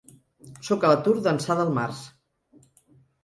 Sóc a l’atur d’ençà del març.